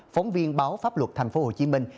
phóng viên báo pháp luật thành phố hồ chí minh